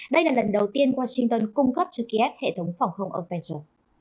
đây là lần đầu tiên washington cung cấp cho kiev hệ thống phòng không offensive